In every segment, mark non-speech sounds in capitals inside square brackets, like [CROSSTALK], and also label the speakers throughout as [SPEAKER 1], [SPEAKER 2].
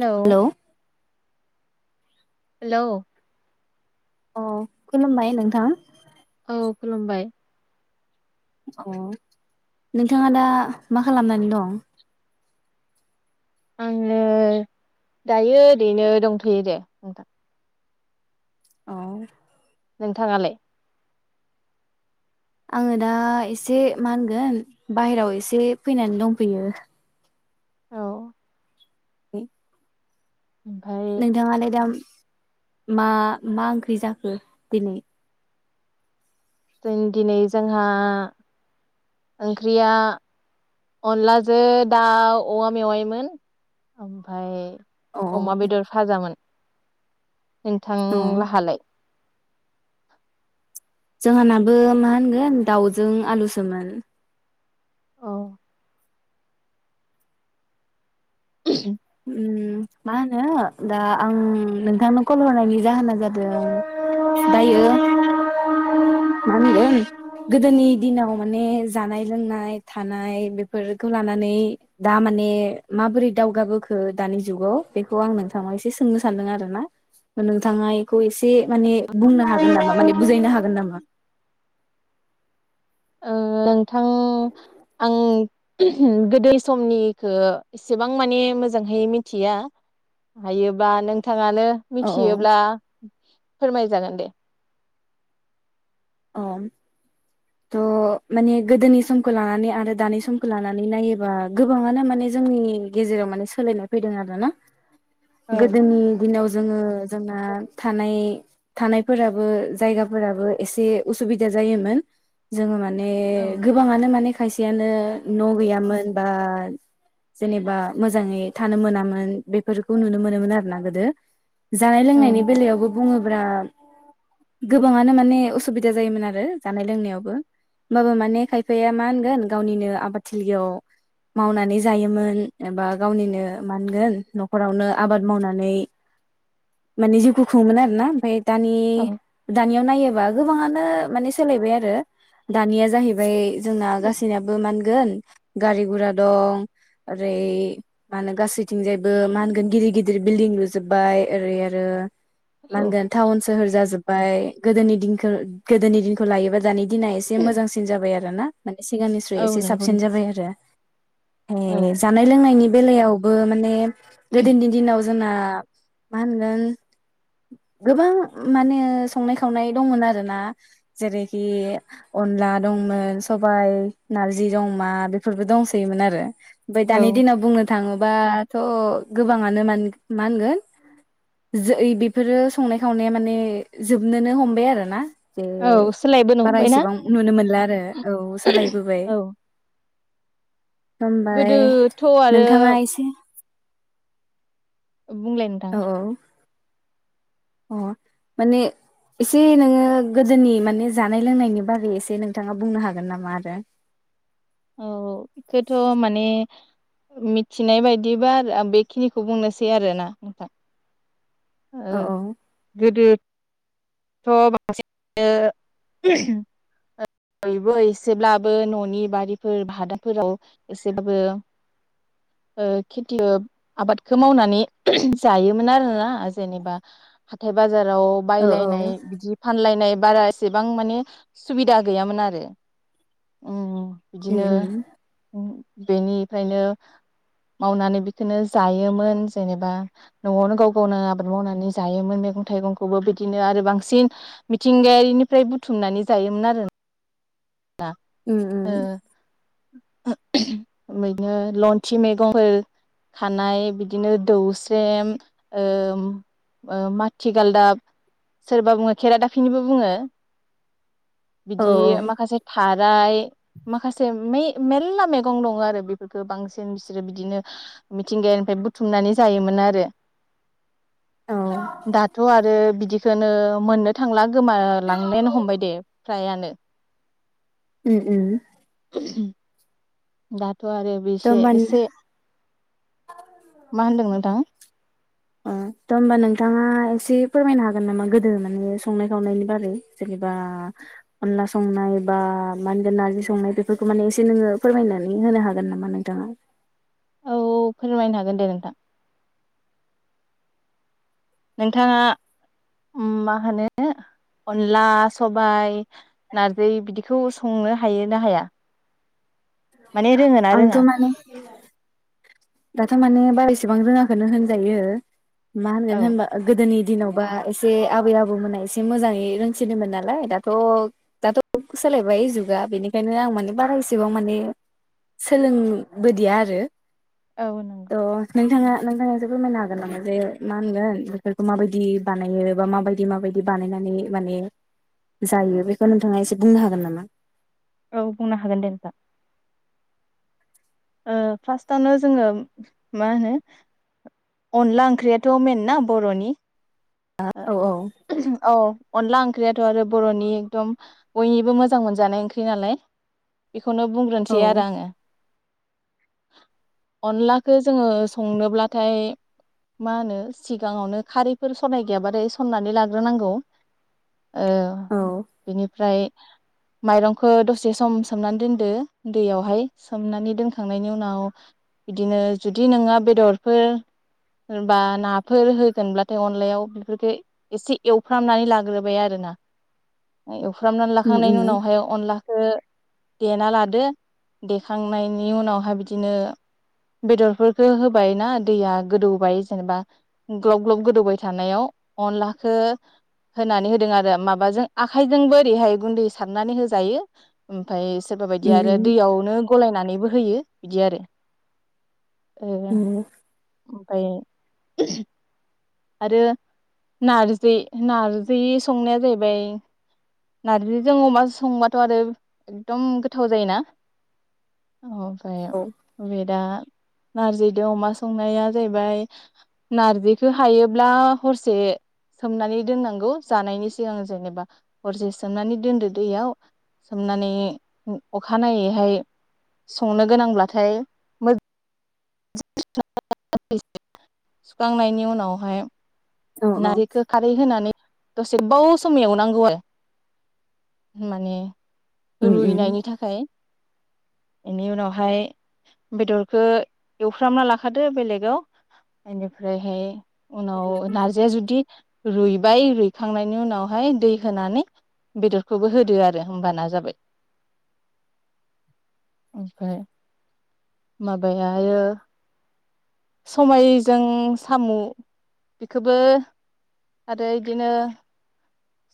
[SPEAKER 1] हेल'
[SPEAKER 2] hello
[SPEAKER 1] hello
[SPEAKER 2] अ खुलुमबाय नोंथां।
[SPEAKER 1] औ खुलुमबाय।
[SPEAKER 2] अ नोंथाङा दा मा खालामनानै दं?
[SPEAKER 1] आङो दायो ओरैनो दंथ'यो दे नोंथां।
[SPEAKER 2] औ
[SPEAKER 1] नोंथाङालाय?
[SPEAKER 2] आङो दा एसे मा होनगोन बाहेरायाव एसे फैनानै दंफैयो।
[SPEAKER 1] औ।
[SPEAKER 2] [UNINTELLIGIBLE]
[SPEAKER 1] [UNINTELLIGIBLE]
[SPEAKER 2] नोंथाङालायदाम मा मा ओंख्रि जाखो दिनै?
[SPEAKER 1] जों दिनै जोंहा ओंख्रिया अनलाजों दाउ औवा मेवायोन ओमफ्राय
[SPEAKER 2] अ
[SPEAKER 1] अमा बेदर फाजामोन।
[SPEAKER 2] अ
[SPEAKER 1] नोंथांलाहालाय?
[SPEAKER 2] जोंहानाबो मा होनगोन दाउजों आलुसोमोन।
[SPEAKER 1] ओ [UNINTELLIGIBLE]
[SPEAKER 2] ओम मा होनो दा आं नोंथांनो कल हरनायनि जाहोना जादों दायो मा होनगोन गोदोनि दिनाव माने जानाय लोंनाय थानाय बेफोरखौ लानानै दा माने माबोरै दावगाबोख दानि जुगाव बेखौ आं नोंथाङा एसे सोंनो सानदों आरो ना नोंथाङा बेखौ एसे माने बुंनो हागोन नामा माने बुजायनो हागोन नामा।
[SPEAKER 1] नोंथां आं गोदै समनिखौ इसेबां माने मोजांहै मिथिया हायोबा नोंथाङानो
[SPEAKER 2] औ औ
[SPEAKER 1] मिथियोब्ला फोरमाय जागोन दे
[SPEAKER 2] अ थ' माने गोदोनि समखौ लानानै आरो दानि समखौ लानानै नायोबा गोबाङानो माने जोंनि गेजेराव माने सोलायनाय फैदों आरोना।
[SPEAKER 1] औ
[SPEAKER 2] गोदोनि दिनाव जोङो जोंना थानाय थानायफोराबो जायगाफोराबो एसे उसुबिदा जायोमोन जोङो माने माने
[SPEAKER 1] औ
[SPEAKER 2] गोबाङानो माने खायसेयानो न' गैयामोन बा जेनेबा मोजाङै थानो मोनामोन बेफोरखौ नुनो मोनोमोन आरो ना गोदो। जानाय
[SPEAKER 1] औ
[SPEAKER 2] लोंनायनि बेलायावबो बुङो ब्ला गोबांङानो माने उ सुबिदा जायोमोन आरो जानाय लोंनायावबो होमबाबो माने खायफाया मा होनगोन गावनिनो आबादथिलियाव मावनानै जायोमोन एबा गावनिनो मा होनगोन न'खरावनो आबाद मावनानै माने जिउखौ खुङोमोन आरोना ओमफ्राय दानि दानियाव नायो गोबाङानो माने सोलायबाय आरो दानिया जाहैबाय जोंना गासैनायाबो मान ओनगोन गारि गुरा दं ओरै मा होनो गासैथिंजायबो मा होनगोन गिदिर गिदिर बिल्डिं लुजोबबाय ओरै आरो मा
[SPEAKER 1] औ
[SPEAKER 2] होनगोन टाउन सोहोर जाजोब बाय गोदोनि दि गोदोनि दिनखौ लायोबा दानि दिना एसे मोजांसिन जाबाय आरो ना? माने सिगांनिस्राय
[SPEAKER 1] औ
[SPEAKER 2] एसे
[SPEAKER 1] नंगौ
[SPEAKER 2] साबसिन
[SPEAKER 1] नोंथां
[SPEAKER 2] जाबाय आरो। ए
[SPEAKER 1] औ
[SPEAKER 2] जानाय लोंनायनि बेलायावबो माने गोदोनि दिनाव जोंना मा होनगोन गोबां माने संनाय खावनाय दंमोन आरोना जेरैखि अनला दंमोन सबायाइ नारजिजों अमा बेफोरबो दंसैयोमोन आरो। ओमफ्राय
[SPEAKER 1] औ
[SPEAKER 2] दानि दिनाव बुंनो थाङोबा थ' गोबाङानो मा होनगोन जै बे बेफोरो संनाय खावनाया माने जोबनोनो हमबाय आरो ना? जे
[SPEAKER 1] औ सोलायबोनो
[SPEAKER 2] बारा
[SPEAKER 1] हमबायना
[SPEAKER 2] इसेबां नुनो मोनला आरो औ सोलायबोबाय।
[SPEAKER 1] औ
[SPEAKER 2] हमबाय
[SPEAKER 1] गोदोथ' आरो
[SPEAKER 2] नोंथाङा एसे
[SPEAKER 1] बुंलाय नोंथां
[SPEAKER 2] औ अ माने एसे नोङो गोदोनि माने जानाय लोंनायनि बारै एसे नोंथाङा बुंनो हागोन नामा आरो?
[SPEAKER 1] औ औ बेखौथ' माने मिथिनाय बायदिबा आरो आं बेखिनिखौ बुंनोसै आरोना नोंथां ओ
[SPEAKER 2] औ
[SPEAKER 1] गोदो स' म [UNINTELLIGIBLE] बयबो एसेब्लाबो न'नि बारिफोर भादाफोराव एसेब्लाबो ओ खेथि आबादखौ मावनानै जायोमोन आरोना जेनेबा हाथाय बाजार
[SPEAKER 2] औ औ
[SPEAKER 1] बायलायनाय बिदि फानलायनाय बारा एसेबां माने सुबिदा गैयामोन आरो
[SPEAKER 2] उम
[SPEAKER 1] बिदिनो
[SPEAKER 2] उम
[SPEAKER 1] बेनिफ्रायनो मावनानै बिखौनो जायोमोन जेनेबा न'आवनो गाव गावनो आबाद मावनानै जायोमोन मैगं थाइगंखौबो बिदिनो आरो बांसिन मिथिंगायारिनिफ्राय बुथुमनानै जायोमोन आरो
[SPEAKER 2] उम उम
[SPEAKER 1] ओ नो लन्थि मैगंफोर खानाय बिदिनो दौस्रम ओ ओ माथिगालदाब सोरबा बुङो खेराादाफिनिबो बुङो
[SPEAKER 2] औ
[SPEAKER 1] बिदि माखासे इ माखासे मेलला मैगं दङ आरो बेफोरखौ बांसिन बिसोरो बिदिनो मिथिंगायानिफ्राय बुथुमनानै जायोमोन आरो
[SPEAKER 2] औ
[SPEAKER 1] दाथ' आरो बिदि बिदिखौनो मोननो थांला गोमालांनायानो हमबाय दे फ्रायानो
[SPEAKER 2] उम उम
[SPEAKER 1] [INAUDIBLE] ब [UNINTELLIGIBLE] थ' आरो
[SPEAKER 2] थ'
[SPEAKER 1] बेसे
[SPEAKER 2] होमबा
[SPEAKER 1] एसे
[SPEAKER 2] ओ
[SPEAKER 1] मा होनदों नोंथां
[SPEAKER 2] अ दा होमबा नोंथाङा एसे फोरमायनो हागोन नामा गोदो माने संनाय खावनायनि बारै जेनेबा अनला संनाय बा मा होनगोन नारजि संनाय बेफोरखौ माने एसे नोङो फोरमायनानै होनो हागोन नामा नोंथाङा
[SPEAKER 1] औ फोरमायनो हागोन दे नोंथां नोंथाङा मा होनो अनला सबायाइ नारजि बिदिखौ संनो हायो ना हाया माने रोङो ना
[SPEAKER 2] आंथ'
[SPEAKER 1] रोङा
[SPEAKER 2] माने दाथ' माने बारा इसेबां रोङाखोनो होनजायो मा
[SPEAKER 1] औ
[SPEAKER 2] होनगोन होमबा गोदोनि दिेनावबा एसे आबै आबौमोना एसे मोजाङै रोंसिनोमोन नालाय दाथ' दाथ' सोलायबाय जुगा बेनिखायनो आं माने बारा एसेबां माने सोलोंबोदिया आरो
[SPEAKER 1] औ नंगौ
[SPEAKER 2] अ नोंथाङा नोंथाङा एसे फोरमायनो हागोन नामा जे मा होनगोन बेफोरखौ माबायदि बानायो बा माबायदि माबायदि बानायनानै माने जायो बेखौ नोंथाङा एसे बुंनो हागोन नामा
[SPEAKER 1] औ बुंनो हागोन दे नोंथां ओ फार्स्टावनो जोङो मा होनो अनला ओंख्रियाथ' मेन ना बर'नि
[SPEAKER 2] औ औ
[SPEAKER 1] औ अनला ख्रियाथ' आरो बर'नि एकम बयनिबो मोजां मोनजानाय ओंख्रि नालाय बेखौनो
[SPEAKER 2] औ
[SPEAKER 1] बुंग्रोनोसै आरो आङो अनलाखौ जोङो संनोब्लाथाय मा होनो सिगाङावनो खारैफोर रनाय गैयाबाथाय सरनानै लाग्रोनांगौ। ओ
[SPEAKER 2] औ
[SPEAKER 1] बिनिफ्राय माइरंखौ दसे सम सोमनानै दोनदो दैयावहाय सोमनानै दोनखांनायनि उनाव बिदिनो जुदि नोङो बेदरफोर बा नाफोर होगोनब्लाथाय अ नलायाव बेफोरखौ एसे एवफ्रामनानै लाग्रोबाय आरोना। फ्रामनानै
[SPEAKER 2] उम
[SPEAKER 1] लाखांनायनि
[SPEAKER 2] उम
[SPEAKER 1] उनावहाय अनला खौ देना लादो देखांनायनि उनावहाय बिदिनो बेदरफोरखौ होबाय ना दैया गोदौबाय जेनेबा ग्लब ग्लब गोदौबाय थानायाव अनलाखौ होनानै होदों आरो माबाजों आखाइजोंबो ओरैहाय गुनदै सारनानै होजायो ओमफ्राय सोरबा बायदिया आरो
[SPEAKER 2] उम
[SPEAKER 1] दैयावनो गलायनानैबो होयो बिदि आरो। ओ
[SPEAKER 2] उम
[SPEAKER 1] ओमफ्राय आरो नारजि नारजि संनाया जाहैबाय नारजिजों अमाजों संबाथ' आरो एकदम गोथाव जायोना। अ
[SPEAKER 2] उम
[SPEAKER 1] जायो दा नारजिदो अमा संनाया जाहैबाय नारजिखौ हायोब्ला हरसे सोमनानै दोननांगौ जानायनि सिगां जेनेबा हरसे सोमनानै दोनदो दैयाव सोमनानै अखानायैहाय संनो गोनांब्लाथाय मोजा [UNINTELLIGIBLE] सोखांनायनि उनावहाय
[SPEAKER 2] औ औ
[SPEAKER 1] नारजि खौ खारै होनानै दसे गोबाव सम एवनांगौ आरो माने
[SPEAKER 2] उम उम
[SPEAKER 1] रुइनायनि थाखाय। बेनि उनावहाय बेदरखौ एवफ्रामना लाखादो बेलेगाव बेनिफ्रायहाय उनाव नारजि रुइबाय रुइखांनायनि उनावहाय दै होनानै बेदरखौबो होदो आरो होमबाना जाबाय ओमफ्राय माबायायो आरो समायजों साम' खोबो आरो इदिनो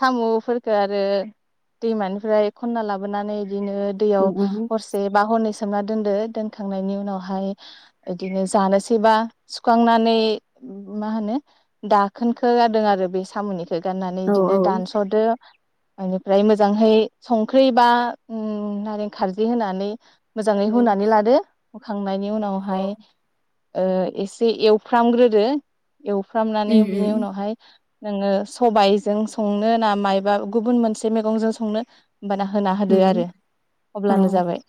[SPEAKER 1] साम'फोरखौ आरो दैमानिफ्राय खनना लाबोनानै बिदिनो दैयाव
[SPEAKER 2] उम उम
[SPEAKER 1] हरसे बा हरनै सोमना दोनदो दोनखांनायनि उनावहाय बिदिनो जानोसैबा सोखांनानै मा होनो दाखोनखौ गारदों आरो बे सामनिखौ।
[SPEAKER 2] औ
[SPEAKER 1] बिदिनो
[SPEAKER 2] औ
[SPEAKER 1] दानस'दो बेनिफ्राय मोजांहै संख्रि बा उम नारें खारजि होनानै मोजाङै होनानै लादो। होखांनायनि उनावहाय ओ एसे एवफ्रामग्रोदो। एवफ्रामनानै
[SPEAKER 2] उम
[SPEAKER 1] बिनि
[SPEAKER 2] उम
[SPEAKER 1] उनावहाय नोङो सबाय जों संनो ना मायबा गुबुन मोनसे मैगंजों संनो। होमबाना होना होदो आरो
[SPEAKER 2] औ
[SPEAKER 1] अब्लानो जाबाय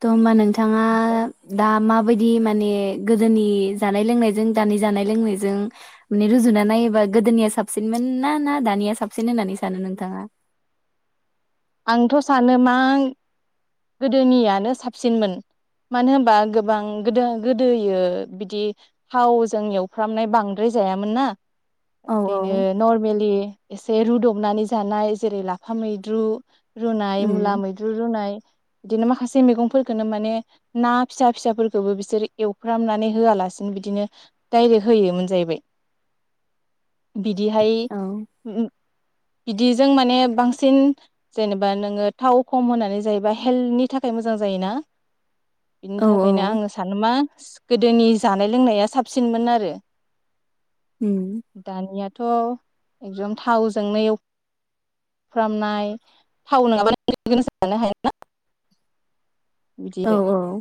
[SPEAKER 2] थ' होनोमबा नोंथाङा दा माबायदि मान माने गोदोनि जानाय लोंनायजों दानि जानाय लोंनायजों माने रुजुना नायोबा गोदोनिया साबसिनमोन ना ना दानिया साबसिन होननानै सानो नोंथाङा?
[SPEAKER 1] आंथ' सानो मा गोदोनियानो साबसिनमोन मानो होनबा गोबां गोदो गोदोयो बिदि थावजों एवफ्रामनाय बांद्राय जायामोन ना।
[SPEAKER 2] औ
[SPEAKER 1] बिदिनो
[SPEAKER 2] औ
[SPEAKER 1] नर्मेलि एसे रुदबनानै जानाय जेरै लाफा मैद्रु रुनाय मुला
[SPEAKER 2] उम
[SPEAKER 1] मैद्रु रुनाय बिदिनो माखासे मैगंफोरखौनो माने ना फिसा फिसाफोरखौबो बिसोर एवफ्रामनानै होआलासिनो बिदिनो दडायरेक्ट होयोमोन जाहैबाय। बिदिहाय
[SPEAKER 2] औ
[SPEAKER 1] बिदिजों माने बांसिन जेनेबा नोङो थाव खम होनानै जायोैबा हेल्थनि थाखाय मोजां जायोना? बिनि
[SPEAKER 2] औ
[SPEAKER 1] थाखायनो
[SPEAKER 2] औ
[SPEAKER 1] आङो सानोमा गोदोनि जानाय लोंनाया साबसिनमोन आरो।
[SPEAKER 2] उम
[SPEAKER 1] दानिया थ' एकदम थावजोंनो एव एवफ्रामनाय थाव नङाबानो जानो [INAUDIBLE] हाय [INAUDIBLE] ना बिदि
[SPEAKER 2] औ
[SPEAKER 1] आरो
[SPEAKER 2] औ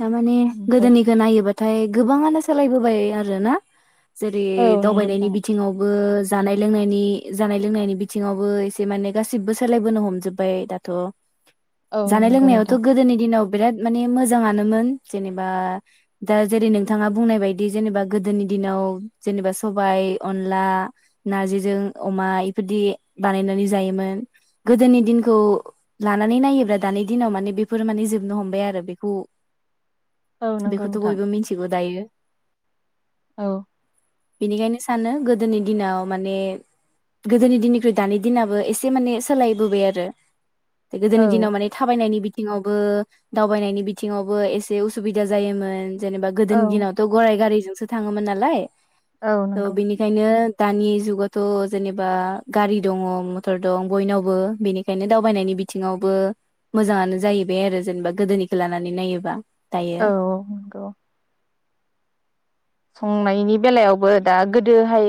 [SPEAKER 2] थारमाने
[SPEAKER 1] ओमफ्राय
[SPEAKER 2] गोदोनिखौ नायोबा ओमथाय गोबाङानो सोलायबोबाय आरो ना? जेरै
[SPEAKER 1] औ नंगौ
[SPEAKER 2] दावबायनायनि
[SPEAKER 1] नोंथां
[SPEAKER 2] बिथिङावबो जानाय लोंनायनि जानाय लोंनायनि बिथिङावबो एसे माने गासिबो सोलायबोनो हमजोबबाय दाथ'।
[SPEAKER 1] औ
[SPEAKER 2] जानाय
[SPEAKER 1] नंगौ
[SPEAKER 2] लोंनायावथ'
[SPEAKER 1] नोंथां
[SPEAKER 2] गोदोनि दिनाव बिराद माने मोज मोजाङानोमोन जेनेबा दा जेरै नोंथाङा बुंनाय बायदि जेनेबा गोदोनि दिनाव जेनेबा सबाय अनला नारजिजों अमा इफोरदि बानायनानै जायोमोन गोदोनि दिनखौ लानानै नायोब्ला दानि दिनाव माने बेफोर माने जोबनो हमबाय आरो बेखौ
[SPEAKER 1] औ नंगौ
[SPEAKER 2] बेखौथ'
[SPEAKER 1] नोंथां
[SPEAKER 2] बयबो मिथिगौ दायो
[SPEAKER 1] औ
[SPEAKER 2] बेनिखायनो सानो गोदोनि दिनाव माने गोदोनि दिननिख्रुइ दानि दिनाबो एसे माने सोलायबोबाय आरो। गोदोनि दिनाव
[SPEAKER 1] औ
[SPEAKER 2] माने थाबायनायनि बि दंबावो दावबायनायनि बि बिथिङावबो एसे उसुबिदा जायोमोन जेनेबा गोदो
[SPEAKER 1] औ
[SPEAKER 2] दिनावथ' गराय गारिजों सो थाङोमोन नालाय
[SPEAKER 1] औ
[SPEAKER 2] थ
[SPEAKER 1] नंगौ
[SPEAKER 2] बेनिखायनो दानि जुगावथ' जेनेबा गारि दङ मथर दं बयनावबो बेनिखायनो दावबायनायनि बिथिङावबो मोजाङानो जाहैबाय आरो जेनेबा गोदोनिखौ लानानै नानै नायोबा दायो
[SPEAKER 1] औ नोंंगौ संनायनि बेलायावबो दा गोदोहाय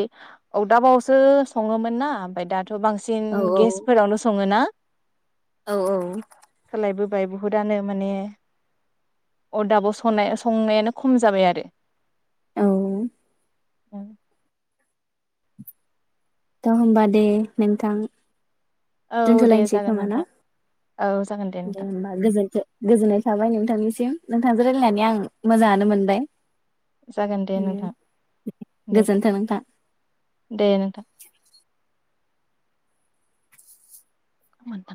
[SPEAKER 1] अरदाबावसो सङोमोन ना ओमफ्राय दाथ' थ' बांसिन
[SPEAKER 2] औ
[SPEAKER 1] गेसफोरावनो सङो ना
[SPEAKER 2] औ औ
[SPEAKER 1] खालायबो जाय बुहुदानो माने अरदाबाव संनाय संनायानो खम जाबाय आरो
[SPEAKER 2] औ
[SPEAKER 1] ओं
[SPEAKER 2] होमबा दे नोंथां
[SPEAKER 1] औ दे
[SPEAKER 2] दोनथ'लायसै
[SPEAKER 1] जागोन
[SPEAKER 2] खोमा ना
[SPEAKER 1] नोंथां औ जागोन
[SPEAKER 2] दे
[SPEAKER 1] नोंथां
[SPEAKER 2] होमबा गोजोननाय थाबाय नोंथांनिसिम नोंथांजों रायलायनानै आं मोजाङानो मोनबाय
[SPEAKER 1] जागोन दे नोंथां दे
[SPEAKER 2] गोजोन्थों नोंथां
[SPEAKER 1] दे नोंथां [INAUDIBLE]